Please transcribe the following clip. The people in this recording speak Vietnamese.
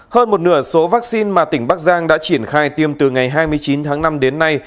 hơn một nửa số vaccine mà tỉnh bắc giang đã triển khai tiêm từ ngày hai mươi chín tháng năm đến nay